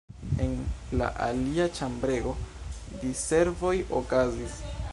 En la alia ĉambrego diservoj okazis.